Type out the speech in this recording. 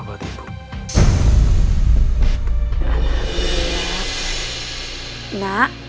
nak kamu dari mana